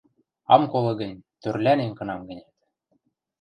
Ам колы гӹнь, тӧрлӓнем кынам-гӹнят...